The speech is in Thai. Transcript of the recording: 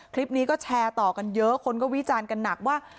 คลิปนี้ก็แชร์ต่อกันเยอะคนก็วิจารณ์กันหนักว่า